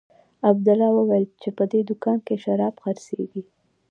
عبدالله وويل چې په دې دوکانو کښې شراب خرڅېږي.